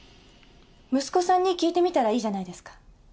息子さんに聞いてみたらいいじゃないですか。